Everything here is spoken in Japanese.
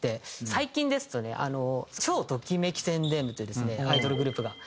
最近ですとね超ときめき宣伝部というですねアイドルグループがいまして。